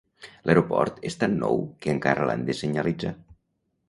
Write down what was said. L'aeroport és tan nou que encara l'han de senyalitzar.